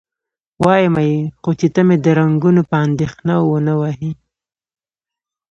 وایمه یې، خو چې ته مې د رنګونو په اندېښنه و نه وهې؟